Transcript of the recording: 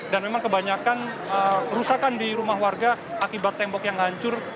dan memang kebanyakan kerusakan di rumah warga akibat tembok yang hancur